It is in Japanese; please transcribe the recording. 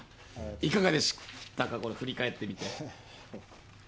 いかがでしたか振り返ってみて。